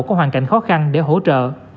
có hoàn cảnh khó khăn để hỗ trợ